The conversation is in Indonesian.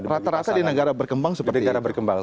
rata rata di negara berkembang seperti itu